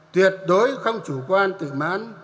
tuyệt đối không chủ quan tự mãn